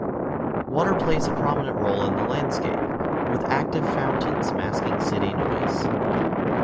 Water plays a prominent role in the landscape, with active fountains masking city noise.